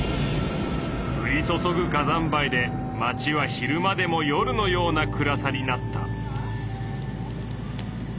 ふり注ぐ火山灰で街は昼間でも夜のような暗さになった。